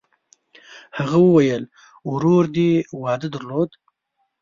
هغه وویل: «ورور دې واده درلود؟»